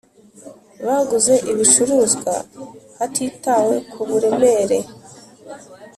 Baguze ibicuruzwa hatitawe ku buremere.